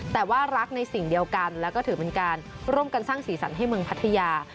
แต่ว่ารักในสิ่งเดียวกันแล้วก็ถือเป็นการร่วมกันสร้างสีสันให้เมืองพัทยา